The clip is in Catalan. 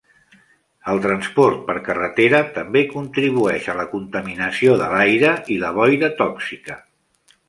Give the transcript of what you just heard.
El transport per carretera també contribueix a la contaminació de l'aire i la boira tòxica.